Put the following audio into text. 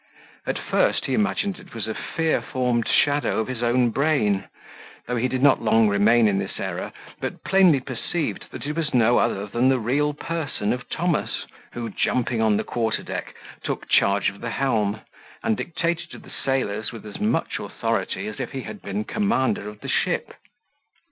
At first he imagined it was a fear formed shadow of his own brain; though he did not long remain in this error, but plainly perceived that it was no other than the real person of Thomas, who, jumping on the quarter deck, took charge of the helm, and dictated to the sailors with as much authority as if he had been commander of the ship.